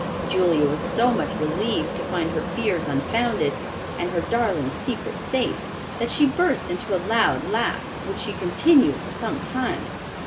Julia was so much relieved to find her fears unfounded, and her darling secret safe, that she burst into a loud laugh, which she continued for some time.